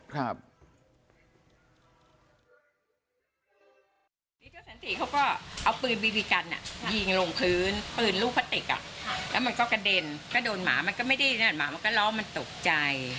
ในดำเนยคดีสันติว่ายิงพื้นในที่สาธารณะแต่ไม่ได้ถูกเขานะฮะ